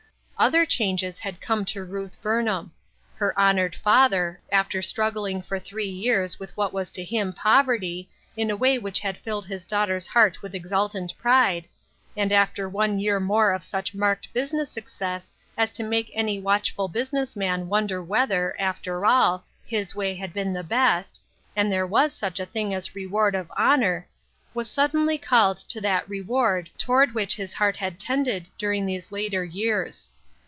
Other changes had come to Ruth Burnham. Her honored father, after struggling for three years with what was to him poverty, in a way which had filled his daughter's heart with exultant pride, and after one year more of such marked business success as to make manv watchful busi ness men wonder whether, after all, his way had been the best, and there was such a thing as reward of honor, was suddenly called to that " reward " toward which his heart had tended dur ing these later years.